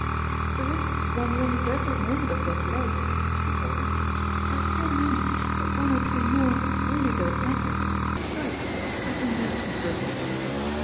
"The risks one runs every moment of one's life," she told him, "are so many, that one or two more really don't matter. Besides, I can manage the brute."